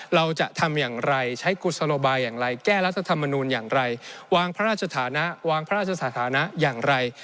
เราจะทำอย่างไรใช้กุศโลบายอย่างไรแก้รัฐธรรมนูลอย่างไรวางพระราชฐานะวางพระราชสถานะอย่างไร